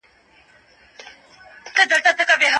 وطن د صبر او استقامت درس ورکوي.